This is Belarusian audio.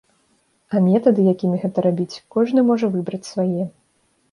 А метады, якімі гэта рабіць, кожны можа выбраць свае.